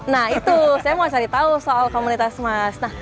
nah itu saya mau cari tahu soal komunitas mas